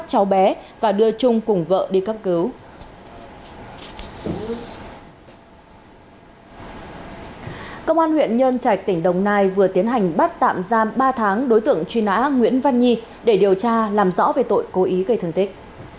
công an huyện nhân trạch tỉnh đồng nai vừa tiến hành bắt tạm giam ba tháng đối tượng truy nã nguyễn văn nhi để điều tra làm rõ về tội cố ý gây thương tích